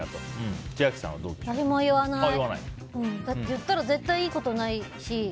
言ったら絶対いいことないし。